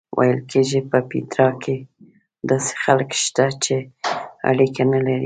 ویل کېږي په پیترا کې داسې خلک شته چې اړیکه نه لري.